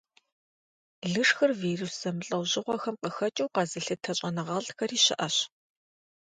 Лышхыр вирус зэмылӀэужьыгъуэхэм къыхэкӀыу къэзылъытэ щӀэныгъэлӀхэри щыӀэщ.